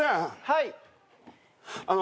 はい？